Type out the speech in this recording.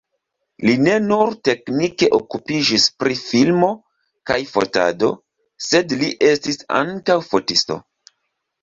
Li ne nur teknike okupiĝis pri filmo kaj fotado, sed li estis ankaŭ fotisto.